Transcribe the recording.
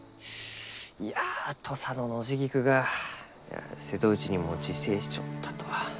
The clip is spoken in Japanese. いや土佐のノジギクが瀬戸内にも自生しちょったとは。